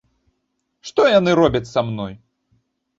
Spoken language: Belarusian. Што яны робяць са мной?